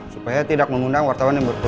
supaya tidak mengundang wartawan yang berkumpul